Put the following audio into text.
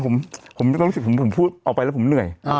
ผมพูดออกไปแล้วผมเหนื่อย